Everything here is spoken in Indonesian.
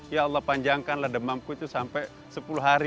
ya allah panjangkanlah demamku itu sampai sepuluh hari